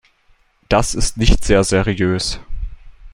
Das ist nicht sehr seriös.